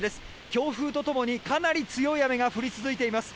強風とともにかなり強い雨が降り続いています。